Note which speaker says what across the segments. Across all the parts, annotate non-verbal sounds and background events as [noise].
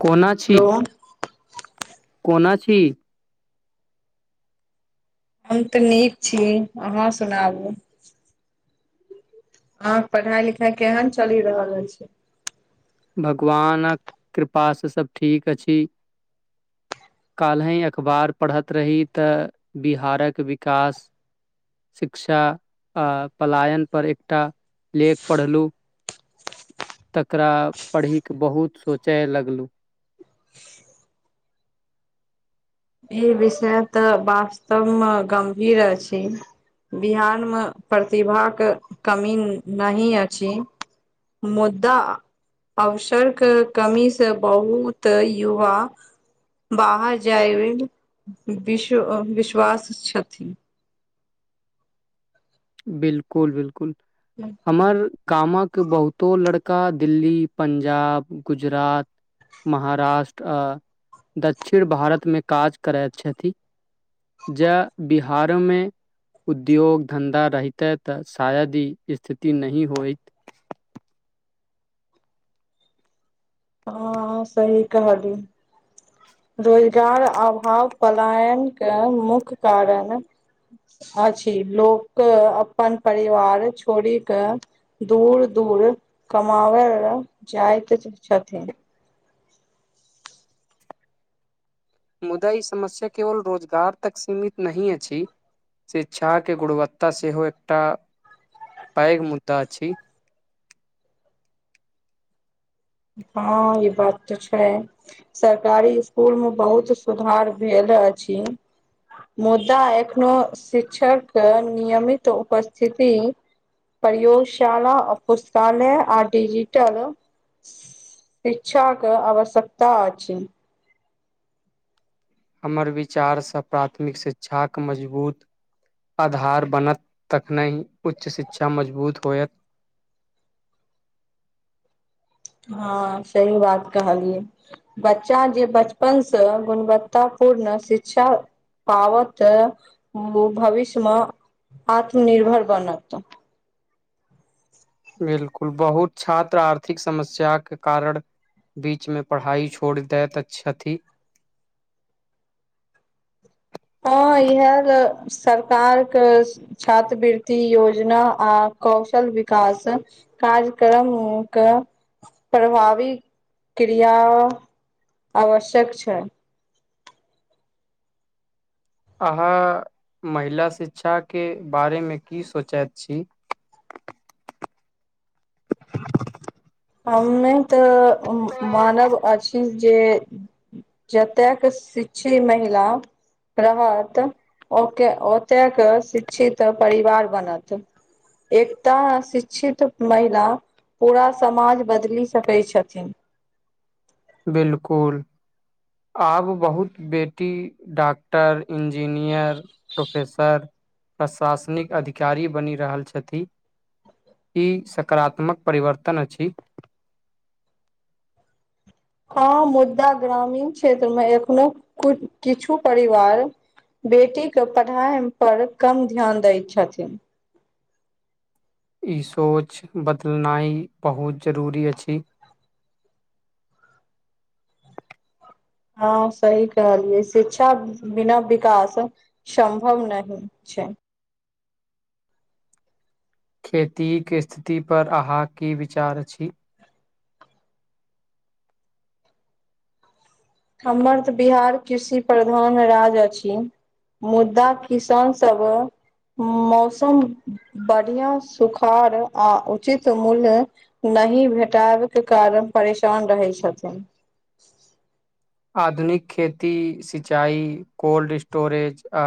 Speaker 1: कोना छी
Speaker 2: [unintelligible]
Speaker 1: कोना छी
Speaker 2: हम तऽ नीक छी अहाँ सुनाबू अहाँ के पढ़ाई लिखाई केहन चलि रहल एछै
Speaker 1: भगवानक कृपासँ सब ठीक अछि काल्हिी अखबार पढ़ैत रही तऽ बिहारक विकास शिक्षा आ पलायन पर एकटा लेख पढ़लहुँ तकरा पढ़ी कऽ बहुत सोचय लगलु
Speaker 2: ई विषय तऽ वास्तव मऽ गम्भीर अछि बिहारमे प्रतिभाके कमी नहि अछि मुदा अवसरक कमीसँ बहुत युवा बाहर जायमे विश विश्वास छथिन
Speaker 1: बिल्कुल बिल्कुल
Speaker 2: हूँ
Speaker 1: हमर गामक बहुतो लड़का दिल्ली पं्जाब गुजरात महाराष्ट्र दक्षिण भारतमे काज करैत छथि जेय बिहारो में उद्योग धंधा रहिते तऽ शायद ई स्थिति नहि होइत
Speaker 2: हँ सही कहालिए रोजगार अभाव पलायनके मुख्य कारण अछि लोक अपन परिवार छोड़ि कऽ दूर दूर कमाबय लऽ जाइत छथिन
Speaker 1: मुदा ई समस्या केवल रोजगार तक सीमित नहिही अछि शिक्षा के गुणवत्ता सेहो एकटा पैग मुद्दा छीं।
Speaker 2: हाँ ई बात तऽ छैय। सरकारी स्कुल मऽ बहुत सुधार भेल अछि मुदा एखनो शिक्षक के नियमित उपस्थिति प्रयोगशाला आ पुस्तालय आ डिजिटल शिक्षाक कऽ आवश्यकता अछि
Speaker 1: हमर विचारसँ प्राथमिक शिक्षाक मजबूत आधार बनत तखनहि उच्च शिक्षा मजबूत होयत।
Speaker 2: हाँ सही बात कहलियै। बच्चा जे बचपन सऽ गुणवत्तापूर्ण शिक्षा। पावतऽओ भविष्य मऽ आत्मनिर्भर बनत।
Speaker 1: बिल्कुल बहुत छात्र आर्थिक समस्या के कारण बीच मे पढ़ाई छोड़ देथ छथी।
Speaker 2: हाँ इहएल सरकार के स छात्रवृति योजना आ कौशल विकास काज - करम के प्रभावी क्रिया आवश्यक छैय।
Speaker 1: अहाँ महिला शिक्षाके बारे मे की सोचैत छी।
Speaker 2: हममे तऽ मानव अछि जे जतयके शिक्षी महिला रहत ओके ओतेक शिक्षित परिवार बनत। एकटा शिक्षित महिला पूरा समाज बदलि सकै छथिन।
Speaker 1: बिल्कुल। आब बहुत बेटी डॉक्टर इंजीनियर प्रोफेसर प्रशासनिक अधिकारी बनि रहल छथि। ई सकारात्मक परिवर्तन अछि।
Speaker 2: हाँ मुद्दा ग्रामीण क्षेत्र मे एखनो कु किछु परिवार बेटी के पढ़ाएम पर कम ध्यान दै छथिन।
Speaker 1: ई सोच बदलनाइ बहुत जरुरी अछि।
Speaker 2: हांँ सही कहलियै शिक्षा बिना विकास सम्भवं नाहि छैय।
Speaker 1: खेती के इस्थिति पर अहाँ की विचार छीं।
Speaker 2: हमर तऽ बिहार कृषि प्रधान मे राज्य अछी। मुद्दा किसान सब अ मौसम बढ़ियाँ सुखाड़ आ उचित मूल्य नहि भेटैब के कारण परेशान रहै छथिन।
Speaker 1: आधुनिक खेती सिंचाई कोल्ड स्टोरेज आ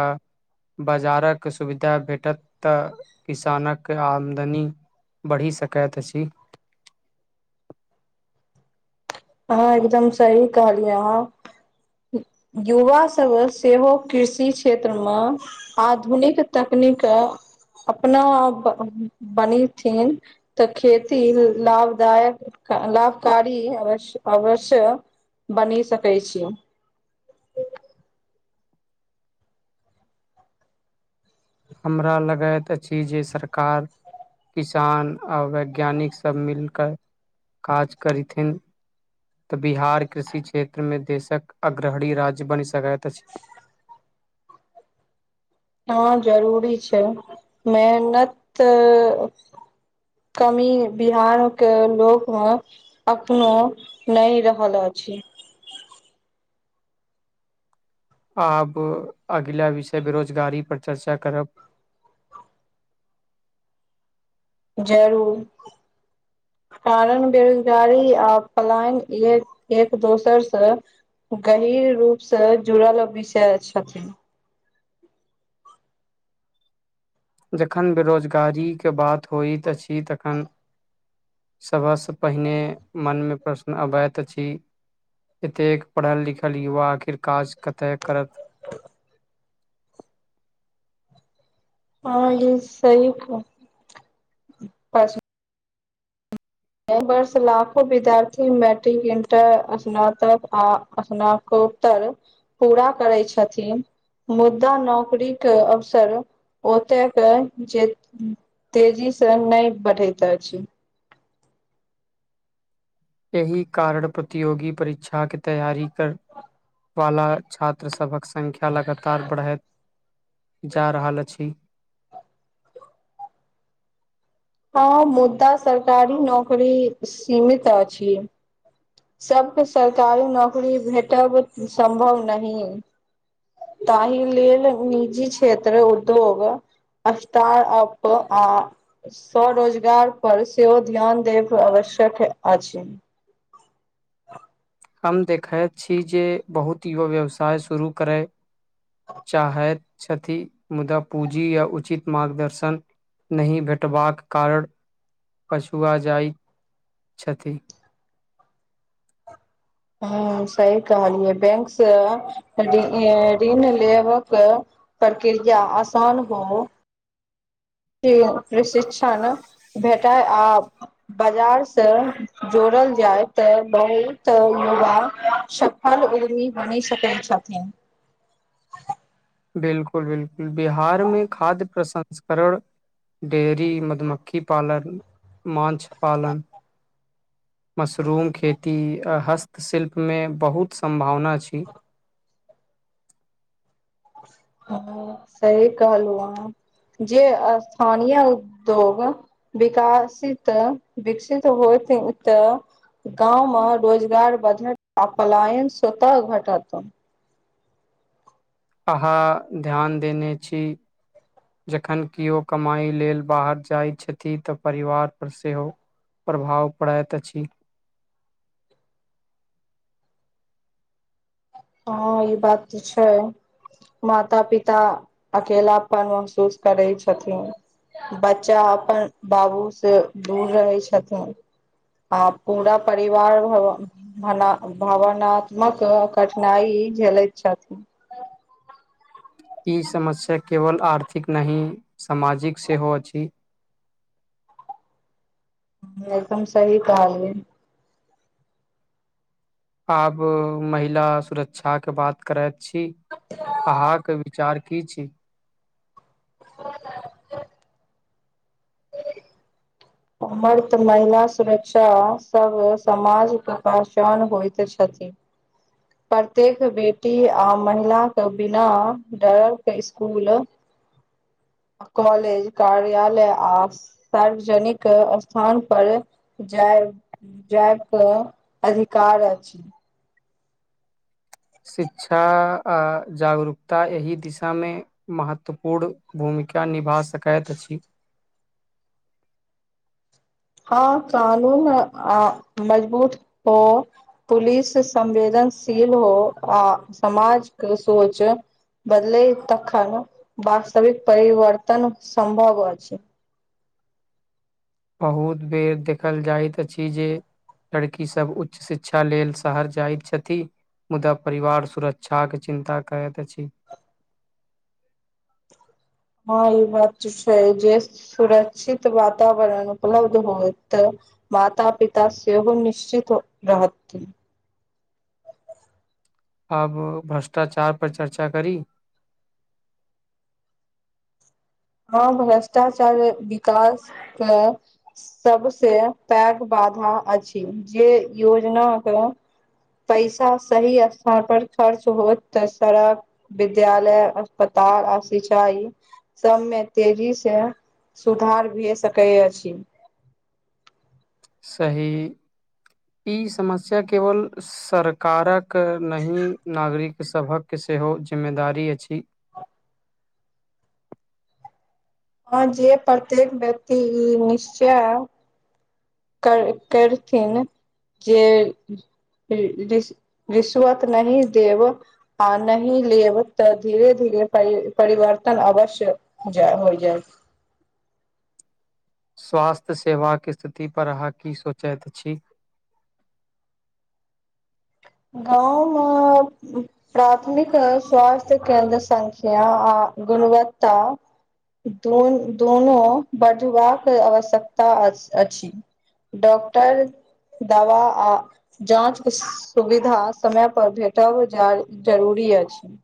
Speaker 1: बाजारक सुविधा भेटत तऽ किसानक आमदनी बढ़ि सकैएत अछि।
Speaker 2: अहाँ एकदम सही कहलियै अहाँ। युवा सब सेहो कृषि क्षेत्र मऽ आधुनिक तकनीक अपना बनिथिन तऽ खेती लाभदायक, लाभकारी अवश्य अवश्य बनी सकै छी।
Speaker 1: हमरा लगैत अछि जे सरकार किसान आ वैज्ञानिक सब मिलकय काज करीथिन तऽ बिहार कृषि क्षेत्र मे देशक अग्रहणी राज्य बनि सकैत अछि।
Speaker 2: हाँ जरूरी छैय मेहनत कमी बिहारऽके लोक मे अपनो नहि रहल अछि
Speaker 1: आब अगिला विषय बेरोजगारी पर चर्चा करब
Speaker 2: जरूर। कारण बेरोजगारी आ पलायन एक - एक दोसर से गहिर रूप से जुड़ल विषय छथिन।
Speaker 1: जखन बेरोजगारी के बात होइत अछि तखन सभ से पहिने मन मे प्रश्न अबैत अछि एते पढ़ल लिखल युवा आखिर काज कते करत
Speaker 2: हँ ई सही प एहि वर्ष लाखो विद्यार्थी मैट्रिक इंटर स्नातक आ स्नात तर पूरा करै छथिन मुदा नौकरीके अवसर ओतय के जे तेजी सँ नहि बढ़ैत अछि
Speaker 1: एहि कारण प्रतियोगी परीक्षा के तैयारी कर वाला छात्र सबक संख्या लगातार बढ़ैत जा रहल अछि
Speaker 2: हँ मुदा सरकारी नौकरी सीमित अछि सबके सरकारी नौकरी भेटब सम्भव नहि ताहि लेल निजी क्षेत्र उद्योग अबतर अप आप आ स्व रोजगार पर सेहो ध्यान देब आवश्यक अछि
Speaker 1: हम देखैत छी जे बहुत युवा व्यवसाय शुरू करे चाहैत छथि मुदा पूँजी या उचित मार्गदर्शन नहि भेटबाक कारण पछुआ जाइत छथि
Speaker 2: ह सही कहलियै बैंक सँ ऋण लेबक प्रक्रिया आसान हो [unintelligible] प्रशिक्षण भेटाय आब बाजार सँ जोड़ल जाय तऽ बहुत युवाक फल उर्मी बनी सकै छथिन
Speaker 1: बिलकुल बिलकुल बिहार में खाद्य प्रसंस्करण देरी मधुमकखी पालन मछ पालन मशरूम खेती हस्तशिल्प मे बहुत सम्भावना छी
Speaker 2: हँ सही कहलू अहाॅं जे स्थानीय उद्योग विकासित विकसित होइ तऽ गाँव मे रोजगार बढ़त आ पलायन स्वत घटत
Speaker 1: अहाँ ध्यान देने छी जखन केओ कमाइ लेल बाहर जाइत छथि तऽ परिवार परर सेहो प्रभाव पड़ैत अछि
Speaker 2: हँ ई बात तऽ छै माता पिता अकेलपन महसूस करै छथिन बच्चा अपन बाबू से दूर रहै छथिन आ पूरा परिवार भ भ भावनात्मक कठिनाइ झेलैत छथिन
Speaker 1: ई समस्या केवल आर्थिक नाही सामाजिक सेहो अछि
Speaker 2: एकदम सही कहलीय
Speaker 1: आब महिला सुरक्षा के बात करैत छी अहाँके विचार की छी
Speaker 2: ह आ महिला सुरक्षासभ समाजके पहचान होइत छथि [inaudible] प्रत्येक बेटी आ महिलााक के बिना डर के स्कूल कॉलेज कार्यालय आ सार्वजनिक स्थान पर जाय जायतपर अधिकार अछि
Speaker 1: शिक्षा आ जागरूकता एहि दिशा मे महत्वपूर्ण भूमिका निभा सकैत अछि
Speaker 2: हाँ कानून आऔर मजबूत हो पुलिस संमझेनाई सेम हो आ समाजके सोच बदलै तखन वास्तविक परिवर्तन सम्भव अछि
Speaker 1: बहुत बेर देखल जाइत अछि जे लड़की सब उच्च शिक्षा लेल शहर जाइत छथि मुदा परिवारक सुरक्षा के चिन्ता करैत अछि
Speaker 2: हाँ ई बात त छैय जे सुरक्षित वातावरण उपलब्ध होय तऽ माता पिता सेहो निश्चित रहथिन
Speaker 1: आब भ्रष्टाचार पर चर्चा करी
Speaker 2: हँ भ्रष्टाचार विकासके सबसे पैघ बाधा अछि जे योजन केय पैसा सही स्थान पर खर्च होत त सड़क विद्यालय अस्पताल आ सिंचाई सब मे तेजी स सुधार भ सकैतअछि
Speaker 1: सही ई समस्या केवल सरकारक नहि नागरिक सभक सेहो जिम्मेदारी अछि
Speaker 2: हां जे प्रत्येक व्यक्ति ई निश्चय कर करथिन जे इ रिश्वत नहीं देव आ नहि लेब त धीरे धीरे परि परिवर्तन अवश्य जाय होइ जाइ
Speaker 1: स्वास्थ्य सेवाक स्थितिपर अहाँ की सोचैत छी
Speaker 2: गाँव मेंऽ प्राथमिक स्वास्थ्य केन्द्र संख्य आ गुणवत्ता दुन दूनों बढ़बाक आवश्यकता अछ अछि डॉक्टर दवा आ जाँच स सुविधा समय पर भेटब जरुरी अछि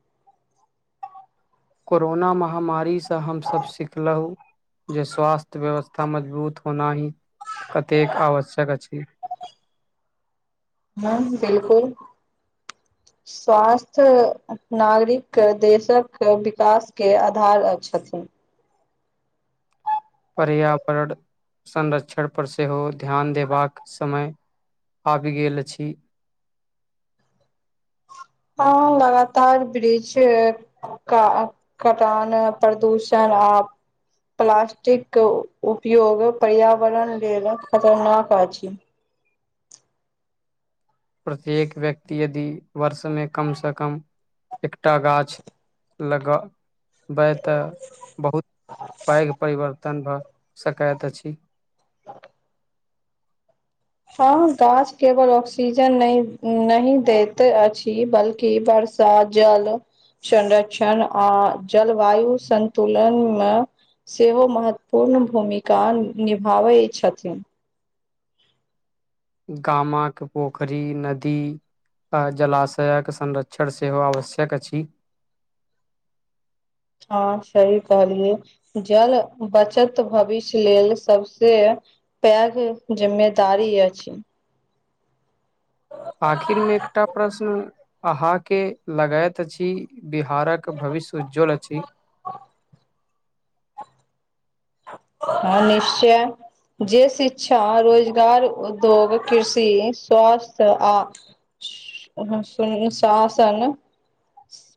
Speaker 1: कोरोना महामारीसँ हमसभ सिखलहुँ जे स्वास्थ्य व्यवस्था मजबूत होना ही कतेक आवश्यक अछि
Speaker 2: हाँ बिलकुल स्वास्थ्य नागरिक देशक विकासके आधार अ छेथिन
Speaker 1: पर्यावरण संरक्षण पर सेहो ध्यान देबाक समय अबी गेलछी
Speaker 2: हाँ लगातार ब्रिज का कटान प्रदूषण आ प्लास्टिक उपयोग पर्यावरण लेल खतरनाक अछि
Speaker 1: प्रत्येक व्यक्ति यदि वर्ष मे कम सऽ कम एकटा गाछ लगा वय तऽ बहुत पैघ परिवर्तन भऽ सकैत अछि
Speaker 2: हाँ गाछ केवल ऑक्सीजन नहि नहि दैत अछि बल्कि बरस जल संरक्षण आ जलवायु संतुलन मऽ सेहो महत्वपूर्ण भूमिका निभाबैय छथिन
Speaker 1: गामा के पोखरी नदी आ जलाशयके संरक्षण सेहो आवश्यक अछि
Speaker 2: हाँ सही कहलिए जल बचत भविष्य लेल सबसे पेग जिम्मेदारी अछि
Speaker 1: आखिर में एकटा प्रश्न अहाँके लगैत अछि बिहारक भविष्य उज्ज्वल अछि
Speaker 2: हँ निश्चय जे शिक्षा रोजगार उद्योग कृषि स्वास्थ्य आ अनुशासन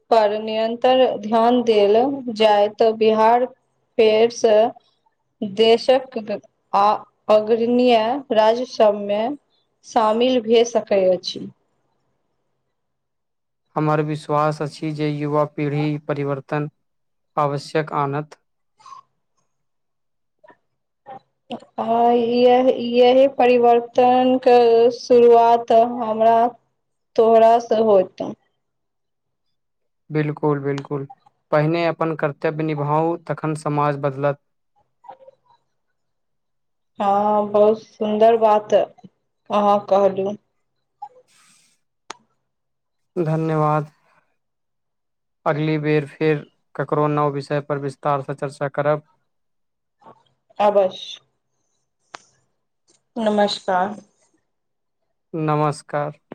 Speaker 2: पर निरन्तर ध्यान देल जाय तऽ बिहार फेर सँ देशकक आ अग्रणीय राज्य सबमे शामिल भे सकैय अछि
Speaker 1: हमर विश्वास अछि जे युवा पीढ़ी परिवर्तन आवश्यक आनत
Speaker 2: ह यह यही परिवर्तनक शुरुआत हमरा तोहरा सँ होतउ
Speaker 1: बिल्कुल बिल्कुल पहिने अपन कर्तव्य निभाउ तखन समाज बदलत
Speaker 2: हँ बहुत सुन्दर बात ह अहाँ कहलहु
Speaker 1: धन्यवाद अगली बेर फेर ककरो नव विषय पर विस्तारसँ चर्चा करब
Speaker 2: अवश्य नमस्कार
Speaker 1: नमस्कार